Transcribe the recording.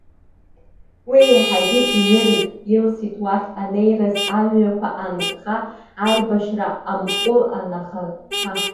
Уи еиҳагьы инырит, илсит уахь анеираз амҩақәа анкха, аибашьра амҟәыл анахаԥа.